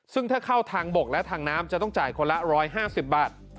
ซึ่งถ้าเข้าทางบกและทางน้ำจะต้องจ่ายคนละ๑๕๐บาท